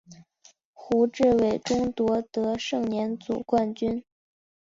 胡志伟中夺得盛年组冠军。